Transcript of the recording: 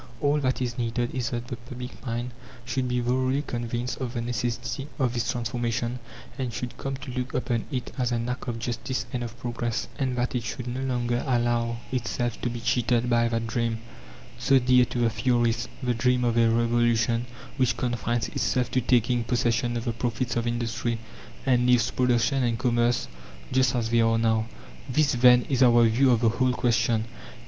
All that is needed is that the public mind should be thoroughly convinced of the necessity of this transformation, and should come to look upon it as an act of justice and of progress, and that it should no longer allow itself to be cheated by that dream, so dear to the theorists the dream of a revolution which confines itself to taking possession of the profits of industry, and leaves production and commerce just as they are now. This, then, is our view of the whole question.